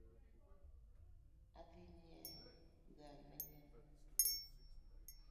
Adhii nyieo gari manyien